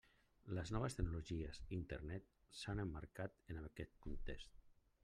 Les noves tecnologies i Internet s'han emmarcat en aquest context.